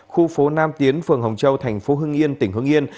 khu phố nam tiến phường hồng châu thành phố hưng yên tỉnh hưng yên